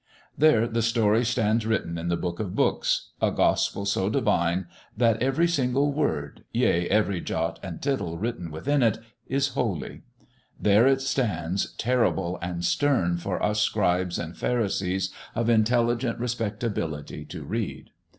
There the story stands written in the Book of Books a Gospel so divine that every single word yea, every jot and tittle written within it is holy. There it stands terrible and stern for us scribes and pharisees of intelligent respectability to read.